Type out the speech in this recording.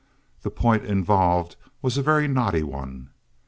The point involved was a very knotty one.